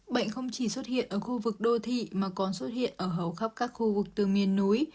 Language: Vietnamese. bệnh không chỉ xuất hiện ở khu vực đô thị mà còn xuất hiện ở hầu khắp các khu vực từ miền núi